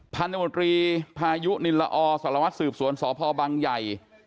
พันธมนตรีพายุนินละอสารวัตรสืบสวนสพบังใหญ่